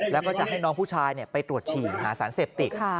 แล้วก็จะให้น้องผู้ชายไปตรวจฉี่หาสารเสพติด